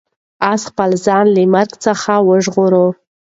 آس خپل ځان له مرګ څخه وژغوره.